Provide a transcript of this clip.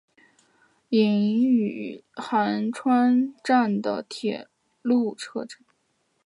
伊予寒川站的铁路车站。